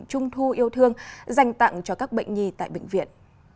trung thu yêu thương dành tặng cho các bệnh nhi tại bệnh viện